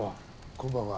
こんばんは。